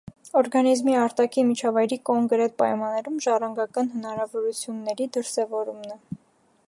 Օնտոգենեզը տվյալ օրգանիզմի արտաքին միջավայրի կոնկրետ պայմաններում ժառանգական հնարավորությունների դրսևորումն է։